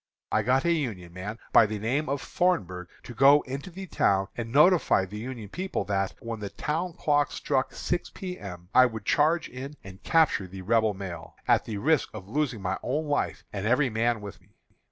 I got a Union man, by the name of Thornburgh, to go into the town and notify the Union people that, when the town clock struck six P. M., I would charge in and capture the Rebel mail, at the risk of losing my own life and every man with me.